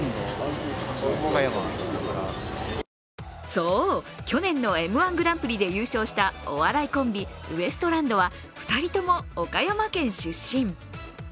そう、去年のＭ−１グランプリで優勝したお笑いコンビ・ウエストランドは２人とも岡山県出身。